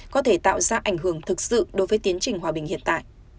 có thể tạo ra ảnh hưởng thực sự đối với tiến trình hòa bình hiện tại